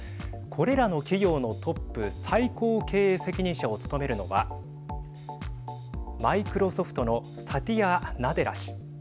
これらの企業のトップ最高経営責任者を務めるのはマイクロソフトのサティア・ナデラ氏。